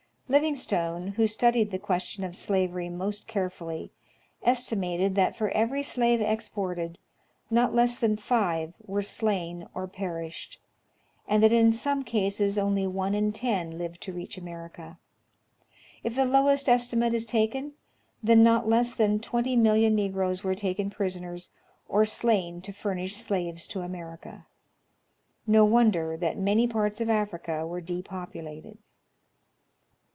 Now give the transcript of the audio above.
Livingstone, who studied the question of slavery most care fully, estimated, that, for every slave exported, not less than five were slain or perished, and that in some cases only one in ten lived to reach Ameri&a. If the lowest estimate is taken, then not less than 20,000,000 Negroes were taken prisoners or slain to furnish slaves to America. No wonder , that many parts of Africa were depopulated.